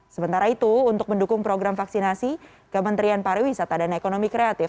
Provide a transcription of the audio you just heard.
sementara itu untuk mendukung program vaksinasi kementerian pariwisata dan ekonomi kreatif